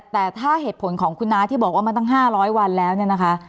แต่ถ้าเหตุผลของคุณน้าที่บอกว่ามาตั้ง๕๐๐วันแล้วเนี่ยนะคะ